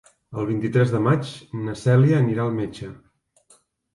El vint-i-tres de maig na Cèlia anirà al metge.